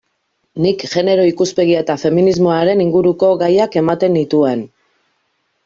Nik genero ikuspegia eta feminismoaren inguruko gaiak ematen nituen.